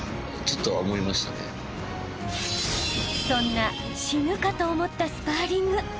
［そんな死ぬかと思ったスパーリング］